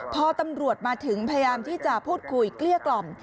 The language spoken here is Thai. พอตำรวจมาถึงพยายามที่จะพูดคุยเกลี้ยกล่อม